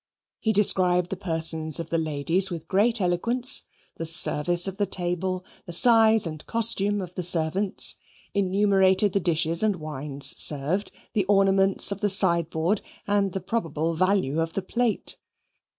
He described the persons of the ladies with great eloquence; the service of the table; the size and costume of the servants; enumerated the dishes and wines served; the ornaments of the sideboard; and the probable value of the plate.